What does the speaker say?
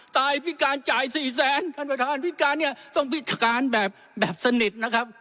พิการจ่ายสี่แสนท่านประธานพิการเนี่ยต้องพิการแบบสนิทนะครับ